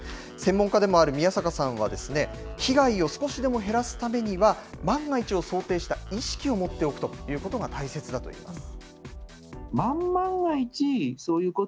専門家でもある宮坂さんは、被害を少しでも減らすためには、万が一を想定した意識を持っておくということが大切だといいます。